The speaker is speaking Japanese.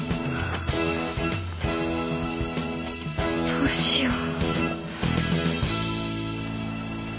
どうしよう。